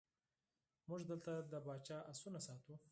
موږ دلته د پاچا آسونه ساتو.